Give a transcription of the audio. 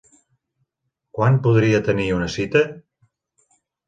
Quan podria tenir una cita?